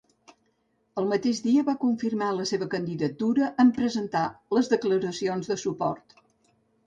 El mateix dia va confirmar la seva candidatura en presentar les declaracions de suport.